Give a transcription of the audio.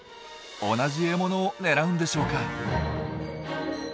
同じ獲物を狙うんでしょうか？